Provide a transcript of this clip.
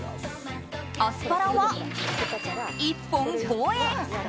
アスパラは１本５円。